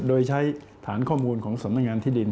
โดยใช้ฐานข้อมูลของสำนักงานที่ดิน